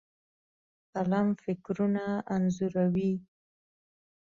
قلم فکرونه انځوروي.